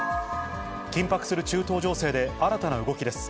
緊迫する中東情勢で、新たな動きです。